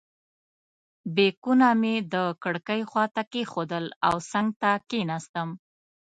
بیکونه مې د کړکۍ خواته کېښودل او څنګ ته کېناستم.